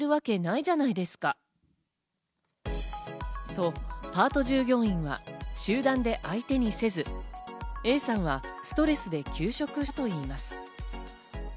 と、パート従業員が集団で相手にせず、Ａさんはストレスで休職したといいます。